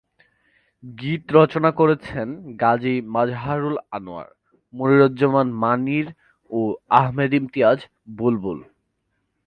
গীত রচনা করেছেন গাজী মাজহারুল আনোয়ার, মনিরুজ্জামান মনির ও আহমেদ ইমতিয়াজ বুলবুল।